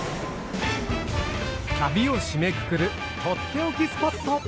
旅を締めくくるとっておきスポット！